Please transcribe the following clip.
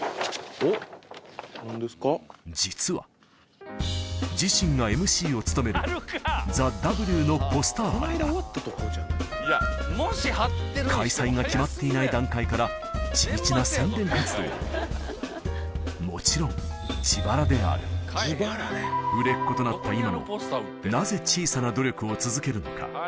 実は自身がＭＣを務める張りだ開催が決まっていない段階から地道な宣伝活動をもちろん自腹である売れっ子となった今もなぜ小さな努力を続けるのか